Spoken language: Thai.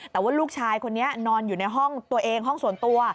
แต่ว่าลูกชายคนนี้นอนอยู่ในห้องตัวเองห้องส่วนตัว